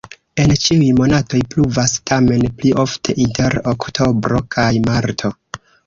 En ĉiuj monatoj pluvas, tamen pli ofte inter oktobro kaj marto.